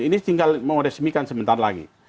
ini tinggal mau resmikan sebentar lagi